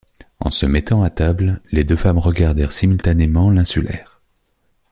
En se mettant à table, les deux femmes regardèrent simultanément l’insulaire.